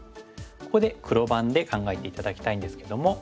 ここで黒番で考えて頂きたいんですけども。